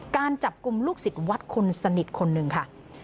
การจับกลุ่มลูกศิษย์วัดคนสนิทคนหนึ่งค่ะ